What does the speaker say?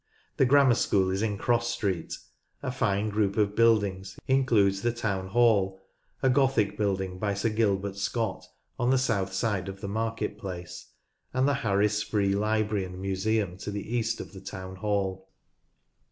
The Grammar School is in Cross Street. A fine group of buildings includes the Town HalU Stoneyhurst College a Gothic building by Sir Gilbert Scott, on the south side of the market place, and the Harris Free Library and Museum to the east of the Town Hall.